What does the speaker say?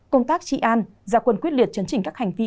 công tác trị an gia quân quyết liệt chấn chỉnh các hành vi